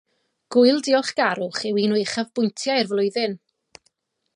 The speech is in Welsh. Gŵyl diolchgarwch yw un o uchafbwyntiau'r flwyddyn